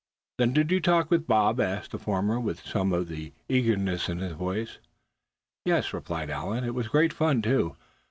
"Then you did talk with Bob?" asked the former, with some show of eagerness in his voice. "Yes," replied Allan, "it was great fun too.